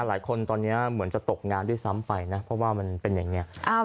หลายคนตอนนี้เหมือนจะตกงานด้วยซ้ำไปนะเพราะว่ามันเป็นอย่างนี้